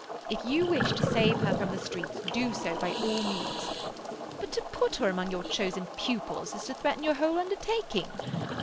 If you wish to save her from the streets, do so by all means. But to put her among your chosen pupils is to threaten your whole undertaking.